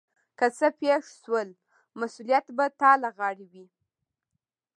که څه پیښ شول مسؤلیت به تا له غاړې وي.